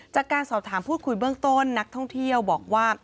จากการสอบถามพูดคุยเบื้องต้นนักท่องเที่ยวบอกว่า